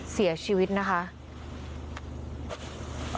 เสียชีวิตนะคะ